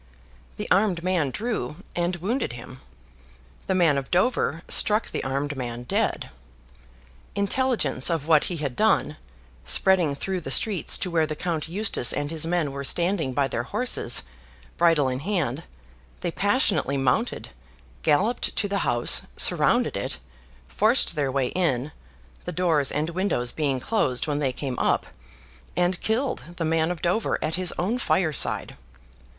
The armed man drew, and wounded him. The man of Dover struck the armed man dead. Intelligence of what he had done, spreading through the streets to where the Count Eustace and his men were standing by their horses, bridle in hand, they passionately mounted, galloped to the house, surrounded it, forced their way in (the doors and windows being closed when they came up), and killed the man of Dover at his own fireside.